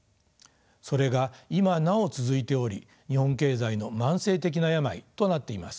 それが今なお続いており日本経済の慢性的な病となっています。